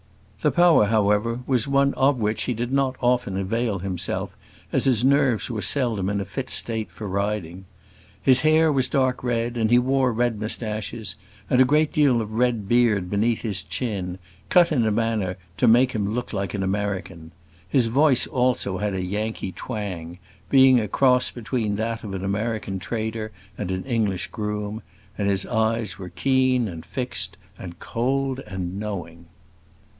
The power, however, was one of which he did not often avail himself, as his nerves were seldom in a fit state for riding. His hair was dark red, and he wore red moustaches, and a great deal of red beard beneath his chin, cut in a manner to make him look like an American. His voice also had a Yankee twang, being a cross between that of an American trader and an English groom; and his eyes were keen and fixed, and cold and knowing.